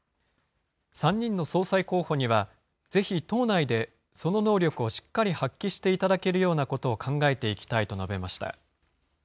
３人の総裁候補には、ぜひ党内でその能力をしっかり発揮していただけるようなことを考えていきたいと述べました。